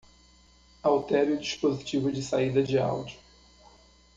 Altere o dispositivo de saída de áudio.